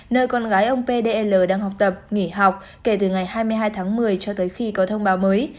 nơi con gái ông pdl đang học tập nghỉ học kể từ ngày hai mươi hai tháng một mươi cho tới khi có thông báo mới